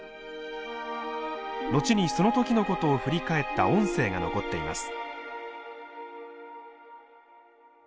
後にその時のことを振り返った音声が残っています。